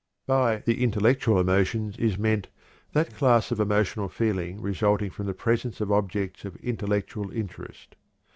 By "the intellectual emotions" is meant that class of emotional feeling resulting from the presence of objects of intellectual interest.